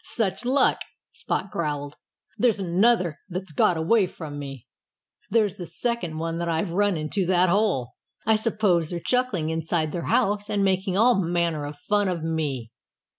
"Such luck!" Spot growled. "There's another that's got away from me. There's the second one that I've run into that hole. I suppose they're chuckling inside their house and making all manner of fun of me."